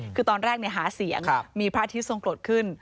คือตอนแรกหาเสียงมีพระอาทิตยทรงกรดขึ้น